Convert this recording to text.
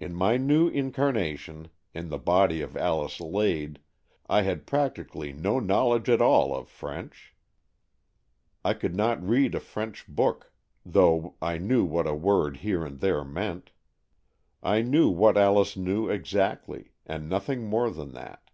In my new incarnation, in the body of Alice Lade, I had practically no know ledge at all of French. I could not read a French book, though I knew what a word 158 AN EXCHANGE OF SOULS here and there meant. I knew what Alice knew exactly, and nothing more than that.